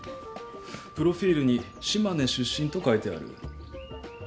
プロフィルに島根出身と書いてある。